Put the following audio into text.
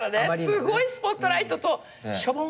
すごいスポットライトとしょぼーん。